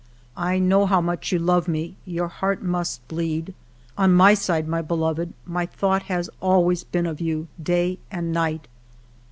I know how much you love me. Your heart must bleed. On my side, my be loved, my thought has always been of you, day and night.